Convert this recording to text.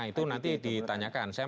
nah itu nanti ditanyakan